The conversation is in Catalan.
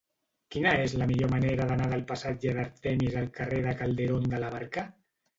Quina és la millor manera d'anar del passatge d'Artemis al carrer de Calderón de la Barca?